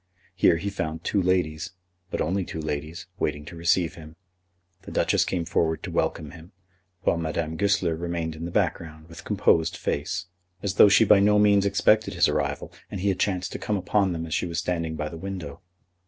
Here he found two ladies, but only two ladies, waiting to receive him. The Duchess came forward to welcome him, while Madame Goesler remained in the background, with composed face, as though she by no means expected his arrival and he had chanced to come upon them as she was standing by the window.